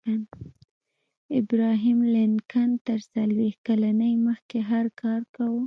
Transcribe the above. ابراهم لینکن تر څلویښت کلنۍ مخکې هر کار کاوه